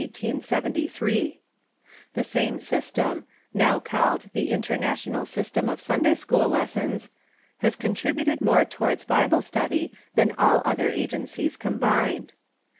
The same system, Lessons ^Q^y called the International System of Sunday school Lessons, has contributed more towards Bible study than all other agencies combined.